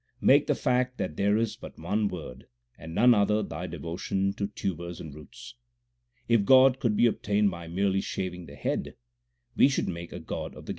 Make the fact that there is but one Word and none other thy devotion to tubers and roots. If God could be obtained by merely shaving the head, we should make a god of the Ganges.